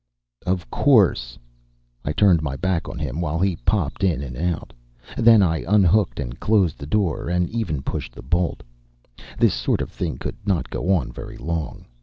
"Of course!" I turned my back on him while he popped in and out. Then I unhooked and closed the door and even pushed the bolt. This sort of thing could not go on very long.